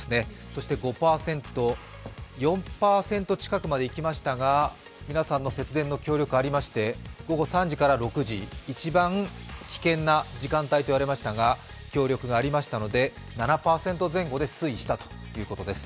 そして５％、４％近くまでいきましたが、皆さんの節電の協力がありまして、午後３時から６時、一番危険な時間帯といわれていましたが、協力がありましたので７％前後で推移したということです